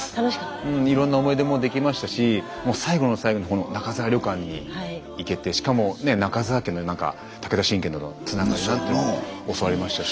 うんいろんな思い出もできましたしもう最後の最後にこのなかざわ旅館に行けてしかもねえなかざわ家の何か武田信玄とのつながりなんていうのも教わりましたし